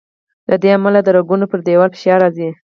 له دې امله د رګونو پر دیوال فشار راځي.